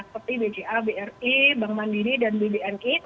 seperti bga bri bank mandiri dan bbnk